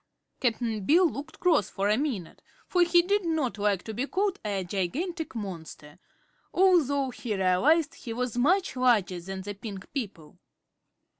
Cap'n Bill looked cross for a minute, for he did not like to be called a "gigantic monster," although he realized he was much larger than the pink people.